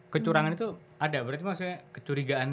kecurangan itu ada berarti maksudnya kecurigaan